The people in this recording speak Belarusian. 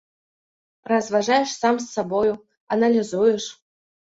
Разважаеш сам з сабою, аналізуеш.